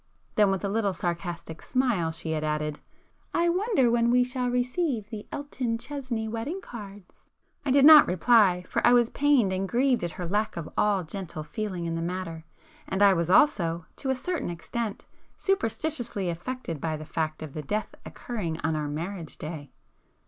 Then, with a little sarcastic smile, she had added— "I wonder when we shall receive the Elton Chesney wedding cards!" I did not reply, for I was pained and grieved at her lack of all gentle feeling in the matter, and I was also, to a certain extent, superstitiously affected by the fact of the death occurring on our marriage day.